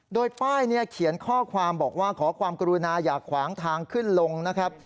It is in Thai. โดยป้ายเนี่ยเขียนข้อความบอกว่าขอความกรุณาอย่าขวางทางขึ้นลงนะครับ